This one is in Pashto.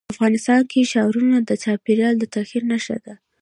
افغانستان کې ښارونه د چاپېریال د تغیر نښه ده.